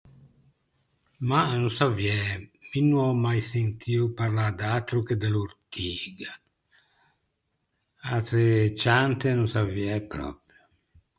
Mah, no saviæ. Mi no ò mai sentio parlâ d’atro che de l’ortiga. Atre ciante no saviæ pròpio.